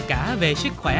cả về sức khỏe